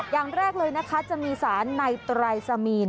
อย่างแรกเลยนะคะจะมีสารในไตรสมีน